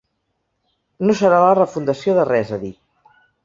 No serà la refundació de res ha dit.